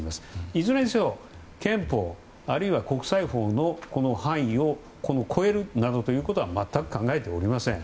いずれにせよ憲法あるいは国際法の範囲を超えるなどということは全く考えておりません。